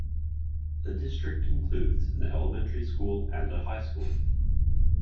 The district includes an elementary school and high school.